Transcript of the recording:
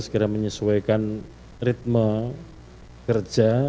segera menyesuaikan ritme kerja